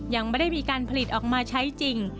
ยังไม่ได้มีการผลิตออกมาใช้จริง